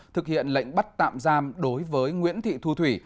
thực hiện lệnh bắt tạm giam đối với nguyễn thị thu thủy